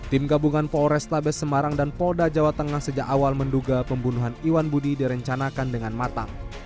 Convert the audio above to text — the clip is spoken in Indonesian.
tim gabungan polrestabes semarang dan polda jawa tengah sejak awal menduga pembunuhan iwan budi direncanakan dengan matang